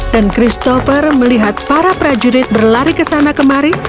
christopher melihat para prajurit berlari ke sana kemari